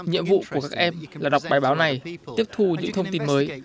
nhiệm vụ của các em là đọc bài báo này tiếp thu những thông tin mới